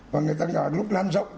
và lúc lan rộng